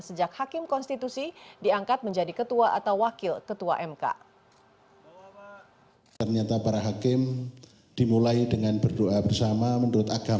sejak hakim konstitusi diangkat menjadi ketua atau wakil ketua mk